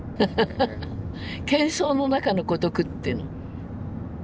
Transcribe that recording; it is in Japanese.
けん騒の中の孤独っていうの。